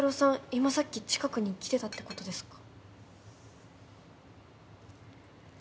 今さっき近くに来てたってことですか？